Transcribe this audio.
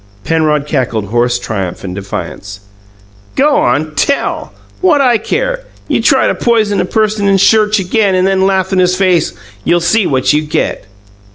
Penrod cackled hoarse triumph and defiance. "Go on! Tell! What 'I care? You try to poison a person in church again, and then laugh in his face, you'll see what you get!"